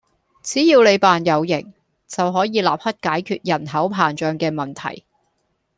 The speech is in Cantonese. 只要你扮有型，就可以立刻解決人口膨脹嘅問題